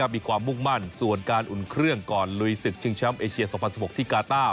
มีความมุ่งมั่นส่วนการอุ่นเครื่องก่อนลุยศึกชิงแชมป์เอเชีย๒๐๑๖ที่กาต้า